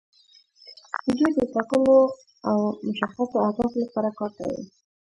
دوی د ټاکلو او مشخصو اهدافو لپاره کار کوي.